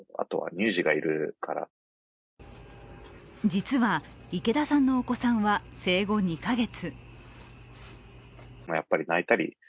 実は池田さんのお子さんは生後２か月。